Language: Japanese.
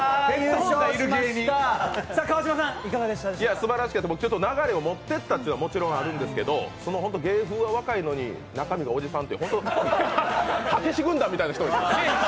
すばらしかった、流れを持っていったというのももちろんあるんですけど芸風は若いのに、中身はおじさんという、たけし軍団みたいな人。